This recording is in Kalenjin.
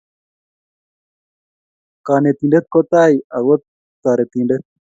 Kanetindet kotai ako taretindet